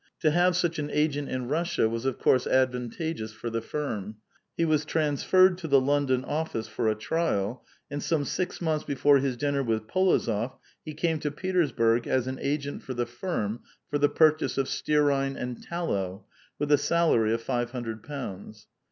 To have such an agent in Russia was of course advantageous for the firm ; he was trausfeiTed to the London office for a trial, and some six months before his dinner with P61ozof, he came to Peters burg as an agent for the firm for the purchase of stearine and tallow, with a salary of five hundred pounds.